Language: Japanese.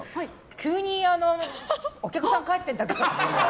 急にお客さん帰っていったけど。